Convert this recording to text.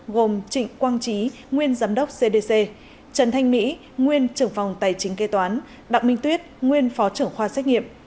gồm trịnh quang trí nguyên giám đốc cdc trần thanh mỹ nguyên trưởng phòng tài chính kê toán đặng minh tuyết nguyên phó trưởng khoa xét nghiệm